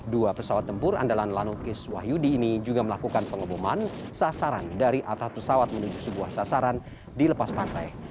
dua pesawat tempur andalan lanukis wahyudi ini juga melakukan pengeboman sasaran dari atas pesawat menuju sebuah sasaran di lepas pantai